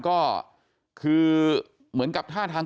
ก็คือเหมือนกับท่าทาง